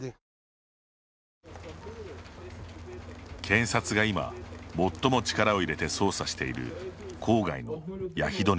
検察が今、最も力を入れて捜査している郊外のヤヒドネ村。